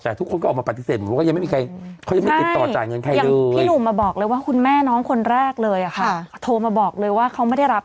คุณก็เอามาปฏิเสธไหมว่ายังไม่มีใครคุณแม่น้องคนแรกเลยขาโน้ทมาบอกเลยว่าเขาไม่ได้รับ